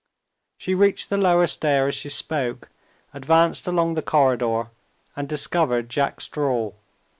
She reached the lower stair as she spoke advanced along the corridor and discovered Jack Straw.